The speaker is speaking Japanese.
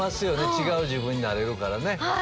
違う自分になれるからね。